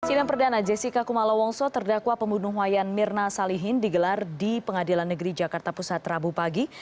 sidang perdana jessica kumala wongso terdakwa pembunuh wayan mirna salihin digelar di pengadilan negeri jakarta pusat rabu pagi